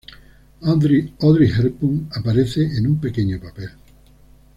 Audrey Hepburn aparece en un pequeño papel.